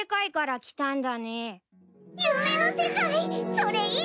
それいい！